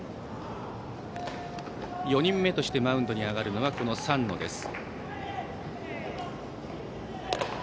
４人目としてマウンドに上がるのは、三野です。